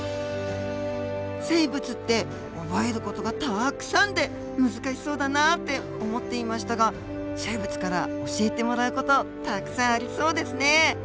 生物って覚える事がたくさんで難しそうだなって思っていましたが生物から教えてもらう事たくさんありそうですね。